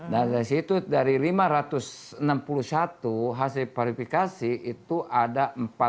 dan dari situ dari lima ratus enam puluh satu hasil klarifikasi itu ada empat ratus tujuh